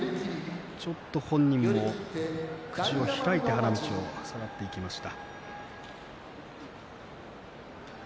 本人も、ちょっと口を開いて花道を戻っていきました。